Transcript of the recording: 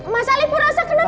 masal ibu rosa kenapa kamu bisa